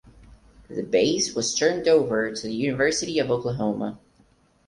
The base was turned over to the University of Oklahoma.